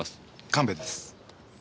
神戸です。